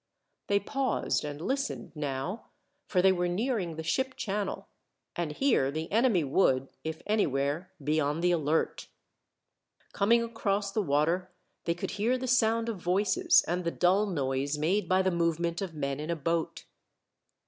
They paused and listened, now, for they were nearing the ship channel, and here the enemy would, if anywhere, be on the alert. Coming across the water they could hear the sound of voices, and the dull noise made by the movement of men in a boat.